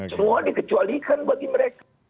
semua dikecualikan bagi mereka